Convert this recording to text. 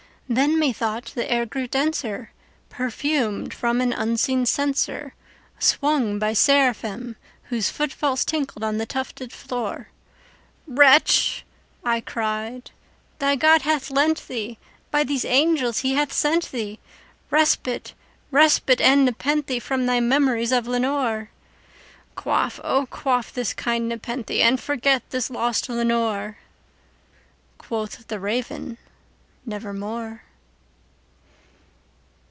Then, methought, the air grew denser, perfumed from an unseen censerSwung by seraphim whose foot falls tinkled on the tufted floor."Wretch," I cried, "thy God hath lent thee—by these angels he hath sent theeRespite—respite and nepenthe from thy memories of Lenore!"Quaff, oh quaff this kind nepenthe, and forget this lost Lenore."Quoth the Raven, "Nevermore."